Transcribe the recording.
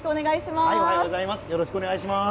おはようございます。